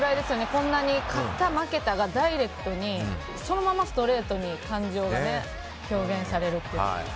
こんなに勝った負けたがダイレクトにそのままストレートに感情が表現されるって。